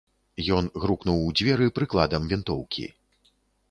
Ён грукнуў у дзверы прыкладам вінтоўкі.